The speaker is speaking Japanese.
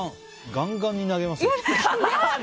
ガンガンに投げますよ。